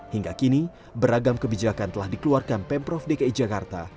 hingga kini beragam kebijakan telah dikeluarkan pemprov dki jakarta